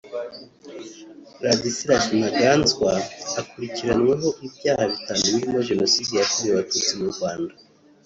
Ladislas Ntaganzwa akurikiranyweho ibyaha bitanu birimo Jenoside yakorewe Abatutsi mu Rwanda